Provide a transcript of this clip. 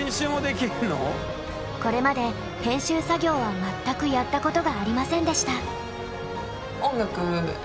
これまで編集作業は全くやったことがありませんでした。